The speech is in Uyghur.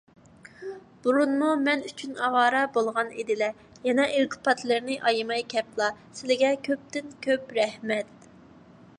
بۇرۇنمۇ مەن ئۈچۈن ئاۋارە بولغان ئىدىلە، يەنە ئىلتىپاتلىرىنى ئايىماي كەپلا. سىلىگە كۆپتىن - كۆپ رەھمەت!